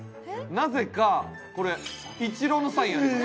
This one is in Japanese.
なぜかこれイチローのサインあります。